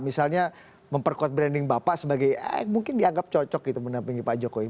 misalnya memperkuat branding bapak sebagai mungkin dianggap cocok gitu menampingi pak jokowi